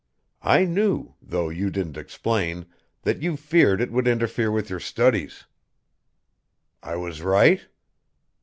I knew, though you didn't explain, that you feared it would interfere with your studies. I was right?"